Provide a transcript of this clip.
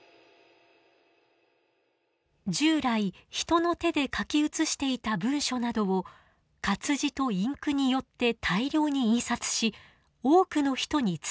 従来人の手で書き写していた文書などを活字とインクによって大量に印刷し多くの人に伝える。